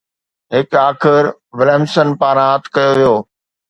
هڪ آخر وليمسن پاران هٿ ڪيو ويو